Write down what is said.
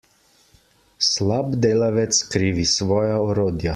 Slab delavec krivi svoja orodja.